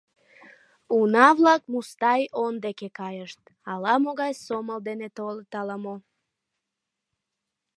Уна-влак Мустай он деке кайышт: ала-могай сомыл дене толыт ала-мо...